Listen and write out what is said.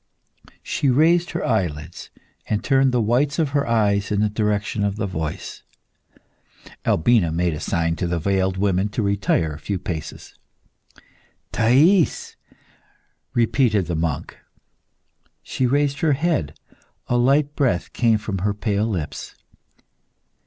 She raised her eyelids, and turned the whites of her eyes in the direction of the voice. Albina made a sign to the veiled women to retire a few paces. "Thais!" repeated the monk. She raised her head; a light breath came from her pale lips.